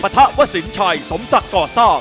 ปะทะวะสินชัยสมศักดิ์ก่อซาก